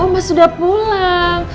oh mas sudah pulang